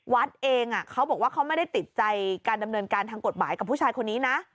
วัดเองเขาบอกว่าเขาไม่ได้ติดใจการดำเนินการทางกฎหมายกับผู้ชายคนนี้นะ